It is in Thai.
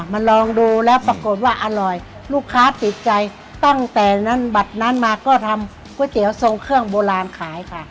มาลองดูแล้วปรากฏว่าอร่อยลูกค้าติดใจตั้งแต่นั้นบัตรนั้นมาก็ทำก๋วยเตี๋ยวทรงเครื่องโบราณขายค่ะ